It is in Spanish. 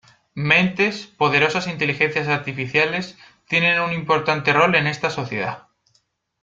Mentes, poderosas inteligencias artificiales, tienen un importante rol en esta sociedad.